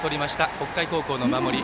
北海高校の守り。